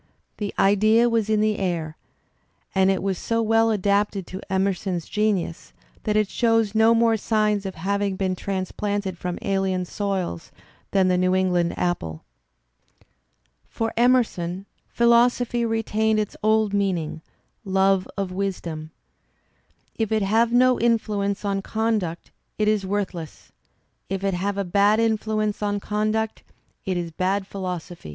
The idea was in th e air and it was so weU adapted to Emerson's genius that it shows no more signs of having been transplanted from alien soils than the New England apple. For Emerson philosophy retained its old meaning, love of wisdom. If it have no influence on conduct it is worthless; if it have a bad influence on conduct it is bad philosophy.